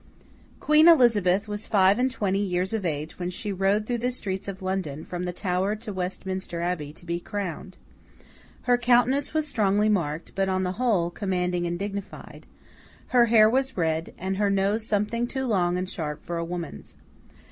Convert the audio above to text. Queen Elizabeth was five and twenty years of age when she rode through the streets of London, from the Tower to Westminster Abbey, to be crowned. Her countenance was strongly marked, but on the whole, commanding and dignified; her hair was red, and her nose something too long and sharp for a woman's.